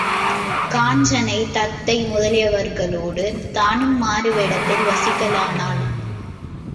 காஞ்சனை, தத்தை முதலியவர்களோடு தானும் மாறுவேடத்தில் வசிக்கலானாள்.